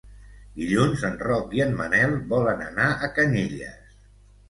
Dilluns en Roc i en Manel volen anar a Canyelles.